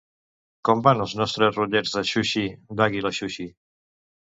Com van els nostres rotllets de sushi d'Aguila sushi?